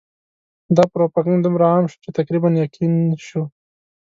دا پروپاګند دومره عام شو چې تقریباً یقین شو.